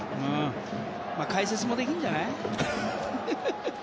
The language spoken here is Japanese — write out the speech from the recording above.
解説もできるんじゃない？